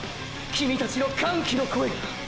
キミたちの歓喜の声が！！